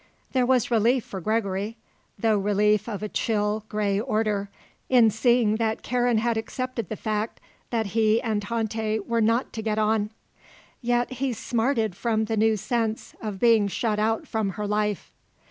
There was relief for Gregory, though relief of a chill, grey order, in seeing that Karen had accepted the fact that he and Tante were not to get on. Yet he smarted from the new sense of being shut out from her life.